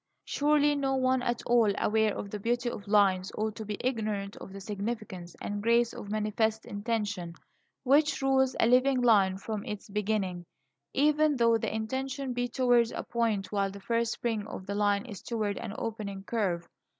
Surely no one at all aware of the beauty of lines ought to be ignorant of the significance and grace of manifest intention, which rules a living line from its beginning, even though the intention be towards a point while the first spring of the line is towards an opening curve.